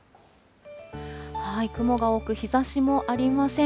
雲が多く、日ざしもありません。